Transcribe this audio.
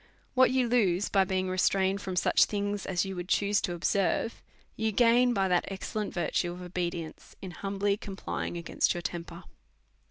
What you lose by being restrained from such things as you would choose to observe, you gain by that ex cellent virtue of obedience, in humbly complying against your temper.